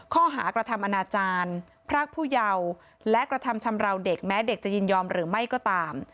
ข้อหากระทำอนาจารย์พรากผู้เยาว์และกระทำชำราวเด็กแม้เด็กจะยินยอมหรือไม่ก็ตาม